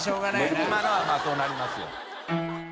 里まぁそうなりますよ。